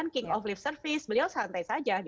king of lift service beliau santai saja